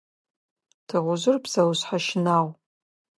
Тыгъужъыр псэушъхьэ щынагъу.